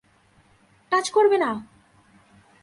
Touch করবে না!